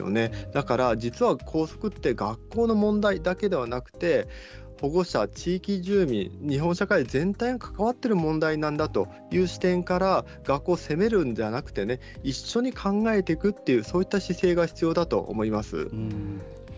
だから実は、校則って学校の問題だけではなくて保護者、地域住民、日本社会全体に関わっている問題なんだという視点から学校を責めるのではなくて、一緒に考えていくという、そういった姿勢が必要だと思います。